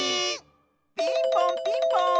ピンポンピンポーン！